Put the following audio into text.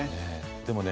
でもね